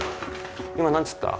今何つった？